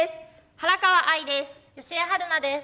原川愛です。